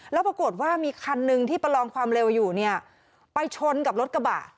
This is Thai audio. แล้วปรากฏว่ามีคันหนึ่งที่ประลองความเร็วอยู่เนี่ยไปชนกับรถกระบะ